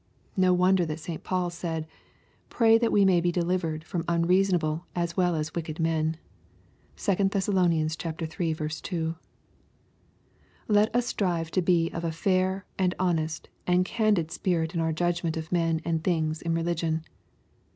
No wonder that St. Paul said, " Pray that we may be delivered from unreasonable as well as wicked men." (2 Thess. iii. 2.) Let us strive to be of a fair, and honest, and candid spirit in our judgment of men and things in religion.